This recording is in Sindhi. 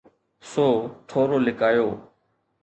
سو ٿورو لڪايو.